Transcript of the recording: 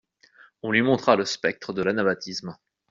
On lui montra le spectre de l'anabaptisme.